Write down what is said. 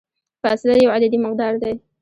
فاصله یو عددي مقدار دی.